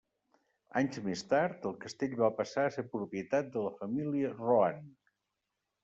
Anys més tard, el castell va passar a ser propietat de la família Rohan.